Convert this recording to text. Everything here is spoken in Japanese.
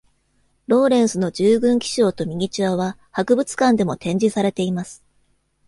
ローレンスの従軍記章とミニチュアは、博物館でも展示されています。